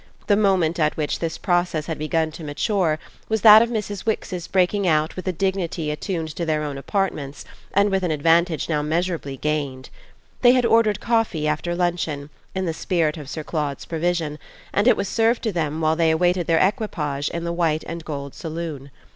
The moment at which this process had begun to mature was that of Mrs. Wix's breaking out with a dignity attuned to their own apartments and with an advantage now measurably gained. They had ordered coffee after luncheon, in the spirit of Sir Claude's provision, and it was served to them while they awaited their equipage in the white and gold saloon.